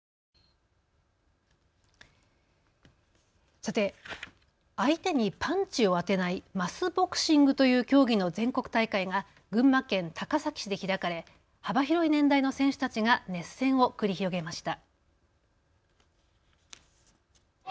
さて、相手にパンチを当てないマスボクシングという競技の全国大会が群馬県高崎市で開かれ幅広い年代の選手たちが熱戦を繰り広げました。